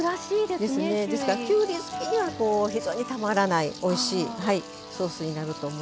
ですからきゅうり好きにはこう非常にたまらないおいしいソースになると思いますよ。